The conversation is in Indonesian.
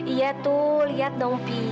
iya tuh lihat dong fee